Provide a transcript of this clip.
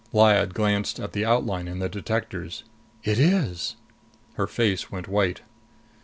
Lyad glanced at the outline in the detectors. "It is!" Her face went white.